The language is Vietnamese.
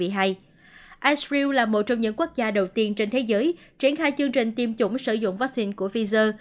istram là một trong những quốc gia đầu tiên trên thế giới triển khai chương trình tiêm chủng sử dụng vaccine của pfizer